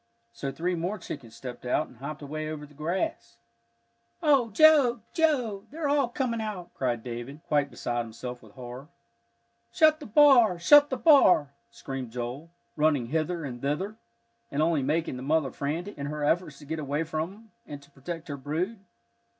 So three more chickens stepped out and hopped away over the grass. "Oh, Joe, Joe, they're all coming out!" cried David, quite beside himself with horror. "Shut the bar! shut the bar!" screamed Joel, running hither and thither, and only making the mother frantic, in her efforts to get away from him, and to protect her brood.